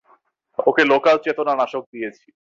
ওকে local চেতনানাশক দিয়েছি।